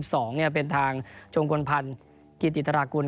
แล้วก็อันดับที่๒๒เป็นทางชงควรพันธ์กิจอิทรากุล